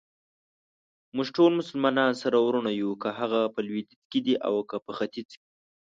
موږټول مسلمانان سره وروڼه يو ،که هغه په لويديځ کې دي اوکه په ختیځ.